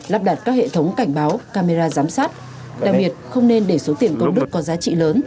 lắp đặt các hệ thống cảnh báo camera giám sát đặc biệt không nên để số tiền có đức có giá trị lớn